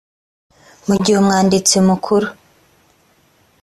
mu gihe umwanditsi mukuru